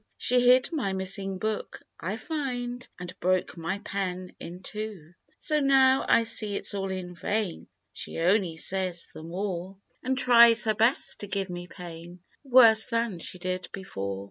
She hid my missing book, I find, And broke my pen in two. " So now I see it's all in vain ; She only says the more, And tries her best to give me pain, Worse than she did before.